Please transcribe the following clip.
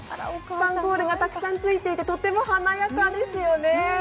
スパンコールがたくさんついていて、とても華やかですよね。